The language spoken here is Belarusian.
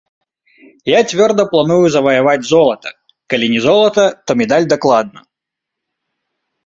Я цвёрда планую заваяваць золата, калі не золата, то медаль дакладна.